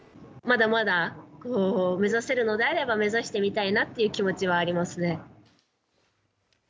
まだまだ目指せるのであれば目指してみたいなという気持ちはありますね。